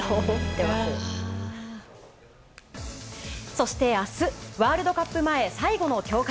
そして、明日ワールドカップ前最後の強化